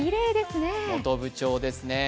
本部町ですね。